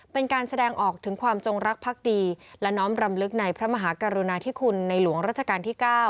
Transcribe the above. เป็นการแสดงออกถึงความจงรักภักดีและน้อมรำลึกในพระมหากรุณาธิคุณในหลวงราชการที่๙